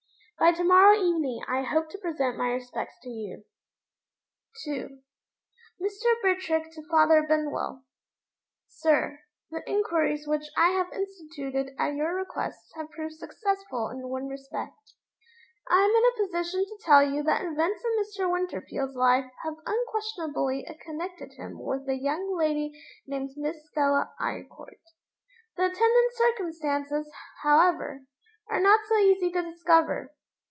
By to morrow evening I hope to present my respects to you. II. Mr. Bitrake to Father Benwell. SIR The inquiries which I have instituted at your request have proved successful in one respect. I am in a position to tell you that events in Mr. Winterfield's life have unquestionably connected him with the young lady named Miss Stella Eyrecourt. The attendant circumstances, however, are not so easy to discover.